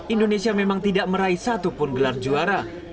indonesia memang tidak meraih satu pun gelar juara